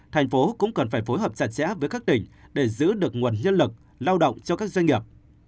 thành phố cũng cần phải phối hợp chặt chẽ với các tỉnh để giữ được nguồn nhân lực lao động cho các doanh nghiệp